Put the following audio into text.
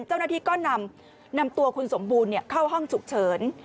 เจ้าหน้าที่ก็นำตัวคุณสมบูรณ์เข้าห้องฉุกเฉิน